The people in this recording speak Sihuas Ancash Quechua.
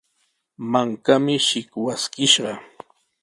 Mankami shikwaskishqa.